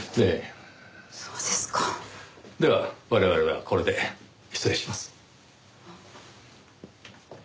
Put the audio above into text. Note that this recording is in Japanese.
では我々はこれで失礼します。